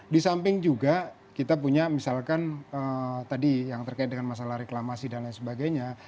di samping juga kita punya misalkan tadi yang terkait dengan masalah reklamasi dan lain sebagainya